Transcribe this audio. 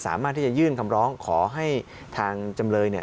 สามารถที่จะยื่นคำร้องขอให้ทางจำเลยเนี่ย